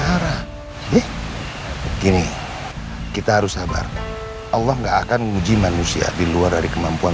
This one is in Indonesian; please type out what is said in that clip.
arah gini kita harus sabar allah enggak akan menguji manusia diluar dari kemampuan